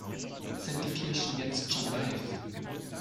Sind die Kirschen jetzt schon reif?